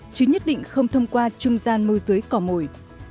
chứ nhất định không thông qua trung gian môi giới cỏ mồi